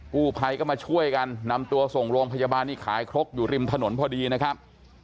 กู้ภัยก็มาช่วยกันนำตัวส่งโรงพยาบาลนี่ขายครกอยู่ริมถนนพอดีนะครับ